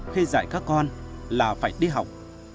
khi dạy các con là phải đi học